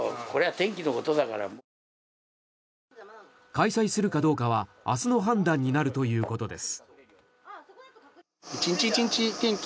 開催するかどうかは明日の判断になるということです。